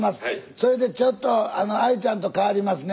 それでちょっとＡＩちゃんと代わりますね。